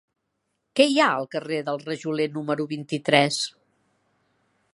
Què hi ha al carrer del Rajoler número vint-i-tres?